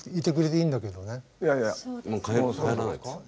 いやいやもう帰らないと。